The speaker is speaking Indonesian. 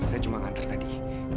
saya cuma ngantar tadi